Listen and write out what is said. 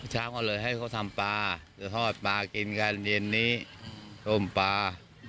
เช้าอาหารเลยให้เขาทำปลาเพราะว่าปลากินกันเย็นนี้โท่มปลา